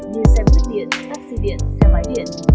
như xe bước điện taxi điện xe máy điện